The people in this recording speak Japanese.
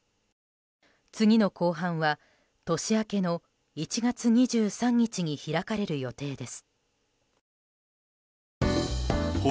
次の公判は年明けの１月２３日に開かれる予定です。